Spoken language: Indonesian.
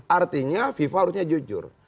artinya fifa harusnya jujur